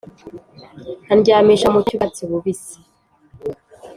Andyamisha mu cyanya cy’ubwatsi bubisi